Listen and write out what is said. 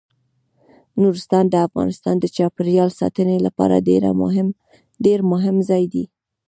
نورستان د افغانستان د چاپیریال ساتنې لپاره ډیر مهم ځای دی.